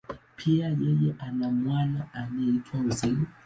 Pia, yeye ana mwana anayeitwa Hussein.